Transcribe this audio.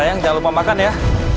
yang jangan lupa makan ya